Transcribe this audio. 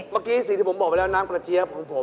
เมื่อกี้สิ่งที่ผมบอกไปแล้วน้ำกระเจี๊ยบของผม